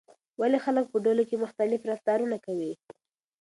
ولې خلک په ډلو کې مختلف رفتارونه کوي؟